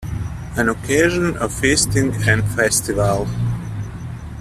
An occasion of feasting and festival.